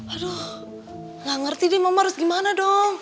aduh nggak ngerti deh mama harus gimana dong